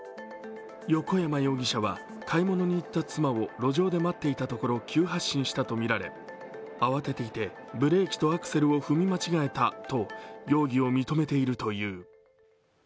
横山容疑者は買い物に行った妻を路上で待っていたところ急発進したとみられ慌てていてブレーキとアクセルを踏み間違えたと容疑を認めているという。